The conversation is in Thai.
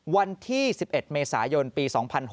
วันที่๑๑เมษายนปี๒๕๖๐